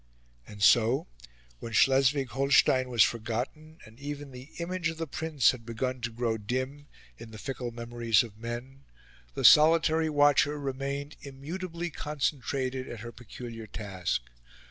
And so, when Schleswig Holstein was forgotten, and even the image of the Prince had begun to grow dim in the fickle memories of men, the solitary watcher remained immutably concentrated at her peculiar task.